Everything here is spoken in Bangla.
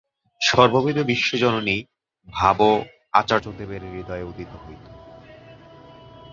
সর্ববিধ বিশ্বজননী ভাবও আচার্যদেবের হৃদয়ে উদিত হইত।